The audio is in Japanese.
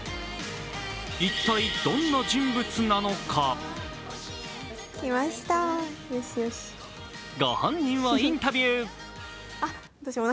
一体、どんな人物なのかご本人をインタビュー。